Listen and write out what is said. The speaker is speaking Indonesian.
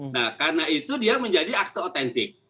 nah karena itu dia menjadi akte otentik